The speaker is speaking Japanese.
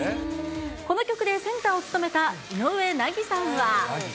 この曲でセンターを務めた井上和さんは。